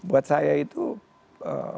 buat saya itu eee